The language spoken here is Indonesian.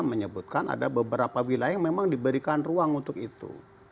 menyebutkan ada beberapa wilayah yang memang diberikan ruang untuk itu